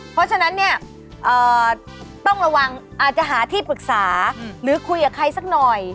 เพราะฉะนั้นเนี่ยต้องระวังอาจจะหาที่ปรึกษาหรือคุยกับใครสักหน่อย